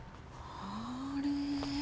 あれ。